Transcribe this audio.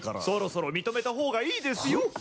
そろそろ認めたほうがいいですよ。